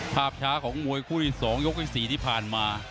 ภาพช้าของมวยคู่ที่๒ยกที่๔ที่ผ่านมา